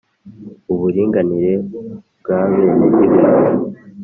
uburinganire bw'abenegihugu